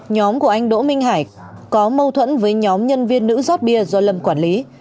nhóm của anh đỗ minh hải có mâu thuẫn với nhóm nhân viên nữ giót bia do lâm quản lý